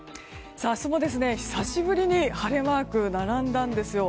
明日も久しぶりに晴れマークが並んだんですよ。